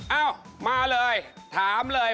เอ้ามาเลยถามเลย